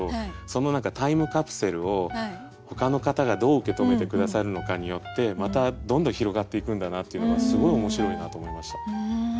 その何かタイムカプセルをほかの方がどう受け止めて下さるのかによってまたどんどん広がっていくんだなっていうのがすごい面白いなと思いました。